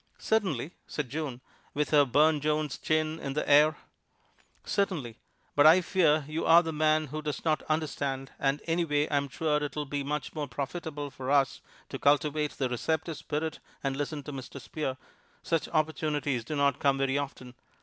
"Certainly!" said June, with her Burne Jones chin in the air. "Certainly; but I fear you are the man who does not understand; and anyway I am sure it will be much more profitable for us to cultivate the receptive spirit and listen to Mr. Spear such opportunities do not come very often.